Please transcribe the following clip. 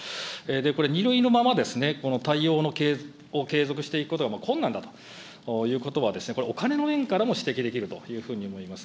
これ、２類のままですね、この対応を継続していくことが困難だということはですね、これ、お金の面からも指摘できるというふうに思います。